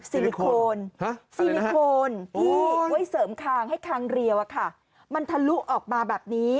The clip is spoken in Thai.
ซิลิโคนซิลิโคนที่ไว้เสริมคางให้คางเรียวมันทะลุออกมาแบบนี้